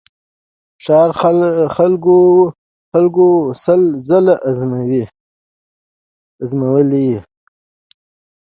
د ښار خلکو وو سل ځله آزمېیلی